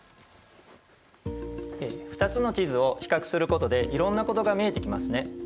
２つの地図を比較することでいろんなことが見えてきますね。